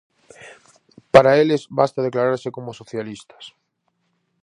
Para eles basta declararse como socialistas.